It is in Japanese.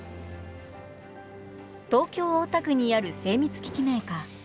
東京・大田区にある精密機器メーカー。